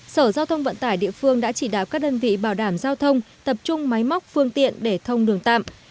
sở giao thông vận tải địa phương đã chỉ đạo các đơn vị bảo đảm giao thông tập trung máy móc phương tiện để thông đường tạm